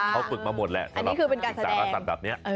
เขาปรึกมาหมดแหละสำหรับสารศาสตร์แบบนี้